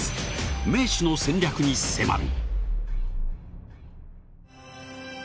名手の戦略に迫る！